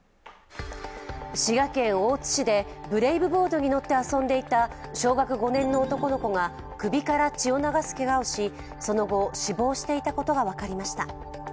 滋賀県大津市でブレイブボードに乗って遊んでいた小学５年の男の子が首から血を流すけがをし、その後、死亡していたことが分かりました。